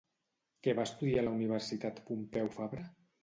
Què va estudiar a la Universitat Pompeu Fabra?